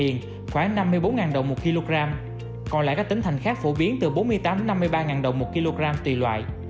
giá heo hơi tại một số tỉnh miền khoảng năm mươi bốn đồng một kg còn lại có tính thành khác phổ biến từ bốn mươi tám năm mươi ba đồng một kg tùy loại